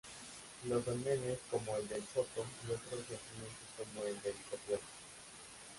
Los dólmenes como el de Soto y otros yacimientos como el de El Pozuelo